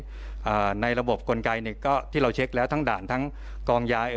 ก็ไม่สามารถในระบบกลไกที่เราเช็คแล้วทั้งด่านทั้งกองยา